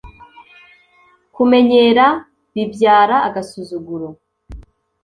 kumenyera bibyara agasuzuguro